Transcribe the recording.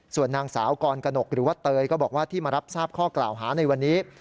ส่วนนางสาวกรกนกหรือว่าเตยก็บอกว่าที่มารับทราบข้อกล่าวหาในวันนี้